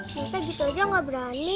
saya gitu aja gak berani